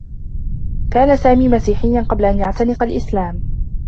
كان سامي مسيحيّا قبل أن يعتنق الإسلام.